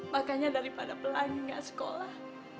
makanya daripada pelangi enggak sekolah